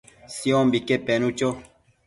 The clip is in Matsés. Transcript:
Siombique penu cho